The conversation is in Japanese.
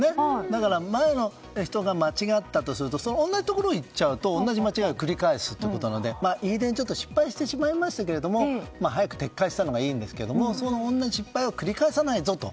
だから前の人が間違ったとするとその同じところを行っちゃうと同じ間違えを繰り返すということなのでＥ電、ちょっと失敗してしまったんですけど早く撤回したのはいいんですが同じ失敗を繰り返さないぞと。